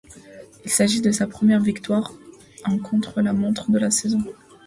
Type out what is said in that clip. Il s'agit de sa première victoire en contre-la-montre de la saison.